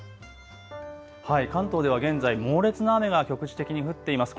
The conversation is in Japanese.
関東では現在、猛烈な雨が局地的に降っています。